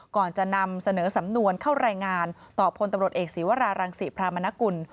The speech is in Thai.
ก่อนจะนำเสนอสำนวนเข้ารายงานต่อพลตำรวจเอกศีวรารังศรีพรามนกุล